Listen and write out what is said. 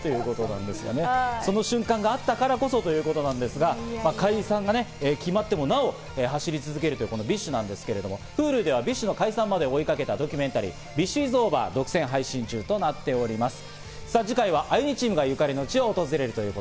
その瞬間があったからこそということですが、解散が決まってもなお走り続けるＢｉＳＨですけれども、ＨｕｌｕではＢｉＳＨの解散までを追いかけたドキュメンタリー『ＢｉＳＨｉＳＯＶＥＲ！』を独占配信中となっております。